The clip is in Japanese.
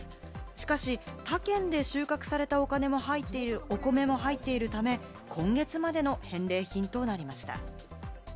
しかし、他県で収穫されたお米も入っているため、今月までの返礼品となりました。